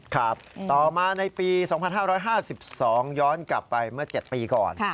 ต่อมาในปี๒๕๕๒ย้อนกลับไปเมื่อ๗ปีก่อน